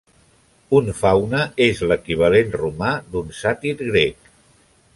Un faune és l"equivalent romà d"un sàtir grec.